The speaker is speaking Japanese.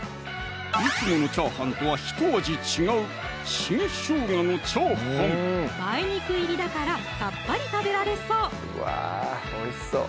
いつものチャーハンとはひと味違う梅肉入りだからさっぱり食べられそう！